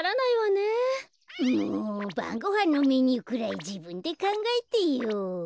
もうばんごはんのメニューくらいじぶんでかんがえてよ。